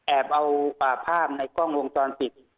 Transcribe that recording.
แอบเอาภาพในกล้องวงจรปิด